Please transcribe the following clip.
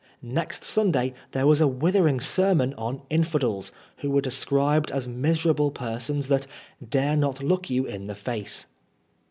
Next Sunday there was a withering sermon on " infidels," who were described as miserable persons that " dare not look you in the face."